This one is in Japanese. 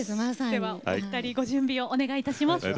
ではお二人ご準備をお願いいたします。